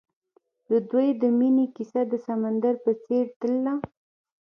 د دوی د مینې کیسه د سمندر په څېر تلله.